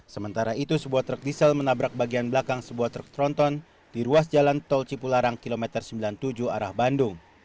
sementara itu sebuah truk diesel menabrak bagian belakang sebuah truk tronton di ruas jalan tol cipularang kilometer sembilan puluh tujuh arah bandung